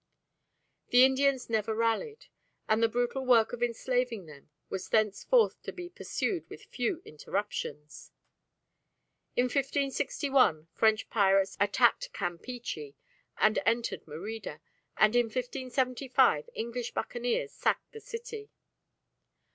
The Indians never rallied; and the brutal work of enslaving them was thenceforth to be pursued with few interruptions. In 1561 French pirates attacked Campeachy and entered Merida, and in 1575 English buccaneers sacked the city.